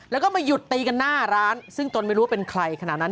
แล้วก็มาหยุดตีกันหน้าร้านซึ่งตนไม่รู้ว่าเป็นใครขนาดนั้น